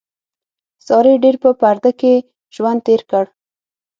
سارې ډېر په پرده کې ژوند تېر کړ.